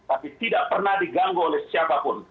tapi tidak pernah diganggu oleh siapapun